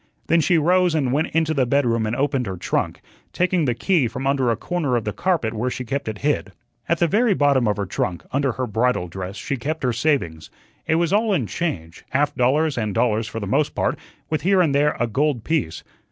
Then she rose and went into the bedroom and opened her trunk, taking the key from under a corner of the carpet where she kept it hid. At the very bottom of her trunk, under her bridal dress, she kept her savings. It was all in change half dollars and dollars for the most part, with here and there a gold piece.